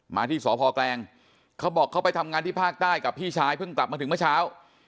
มาที่สพแกลงเขาบอกเขาไปทำงานที่ภาคใต้กับพี่ชายเพิ่งกลับมาถึงเมื่อเช้า